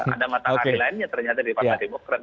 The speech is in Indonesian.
ada matahari lainnya ternyata di partai demokrat